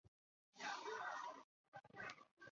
该物种受栖息地破坏威胁。